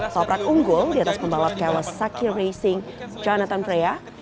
toprak unggul di atas pembalap kawasaki racing jonathan freya